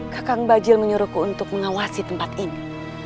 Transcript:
kakang bajil menyuruhku untuk mengawasi tempat ini